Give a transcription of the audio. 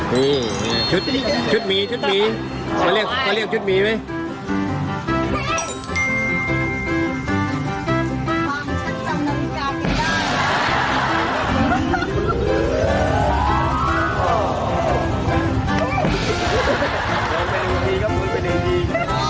เฮ้ยชุดชุดหมี่ชุดหมี่เขาเรียกเขาเรียกชุดหมี่ว่ะ